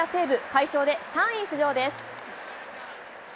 快勝で３位浮上です。